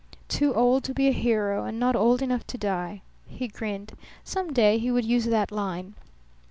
Too old to be a hero and not old enough to die. He grinned. Some day he would use that line.